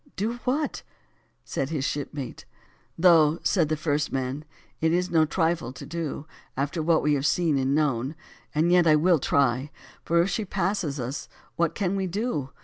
"Do what?" said his shipmate. "Though," said the first man, "it is no trifle to do, after what we have seen and known; yet I will try, for if she passes us, what can we do?